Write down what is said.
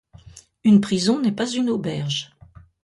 Une prison n'est pas une auberge.